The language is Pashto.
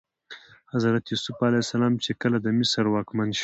حضرت یوسف علیه السلام چې کله د مصر واکمن شو.